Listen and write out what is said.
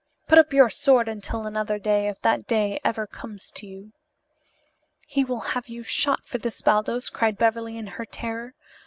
Put up your sword until another day if that day ever comes to you." "He will have you shot for this, Baldos," cried Beverly in her terror.